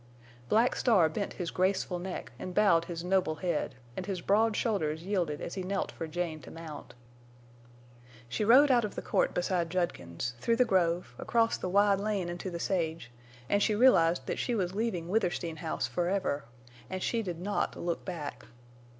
Black Star bent his graceful neck and bowed his noble head, and his broad shoulders yielded as he knelt for Jane to mount. She rode out of the court beside Judkins, through the grove, across the wide lane into the sage, and she realized that she was leaving Withersteen House forever, and she did not look back.